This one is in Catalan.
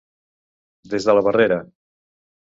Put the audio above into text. Des de la barrera.